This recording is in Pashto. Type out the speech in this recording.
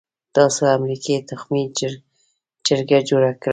تاسو امریکې تخمي چرګه جوړه کړې.